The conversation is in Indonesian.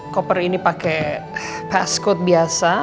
koper ini pake passcode biasa